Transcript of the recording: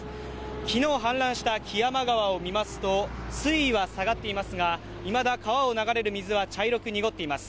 昨日氾濫した木山川を見ますと、水位は下がっていますが、いまだ川を流れる水は茶色く濁っています。